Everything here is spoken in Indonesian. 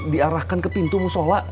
diarahkan ke pintu musola